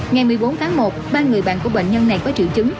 ngày một mươi bốn tháng một ba người bạn của bệnh nhân này có triệu chứng